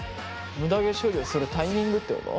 むだ毛処理をするタイミングってこと？